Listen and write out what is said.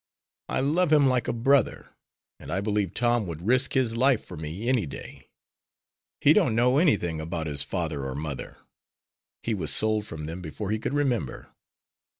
I love him like a brother. And I believe Tom would risk his life for me any day. He don't know anything about his father or mother. He was sold from them before he could remember.